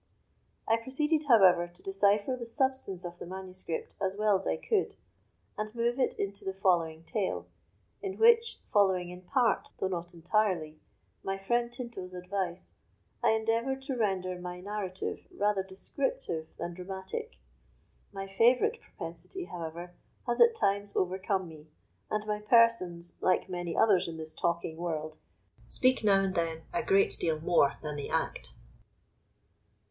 I proceeded, however, to decipher the substance of the manuscript as well as I could, and move it into the following Tale, in which, following in part, though not entirely, my friend Tinto's advice, I endeavoured to render my narrative rather descriptive than dramatic. My favourite propensity, however, has at times overcome me, and my persons, like many others in this talking world, speak now and then a great deal more than they act.